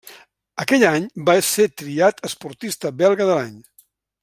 Aquell any va ser triat esportista belga de l'any.